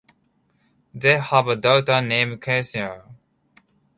They have a daughter named Catherine.